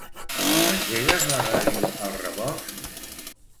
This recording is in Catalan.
M'engegues la ràdio al rebost?